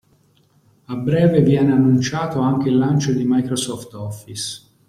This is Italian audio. A breve viene annunciato anche il lancio di Microsoft Office.